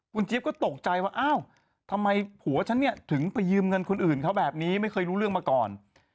คุณเจี๊ยบก็ตกใจว่าอ้าวทำไมผัวฉันเนี่ยถึงไปยืมเงินคนอื่นเขาแบบนี้ไม่เคยรู้เรื่องมาก่อน